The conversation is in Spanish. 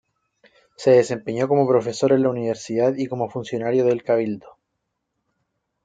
Se desempeñó como profesor en la Universidad y como funcionario del cabildo.